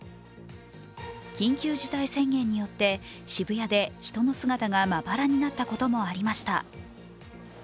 緊急事態宣言によって渋谷で人の姿がまばらになったこともありました。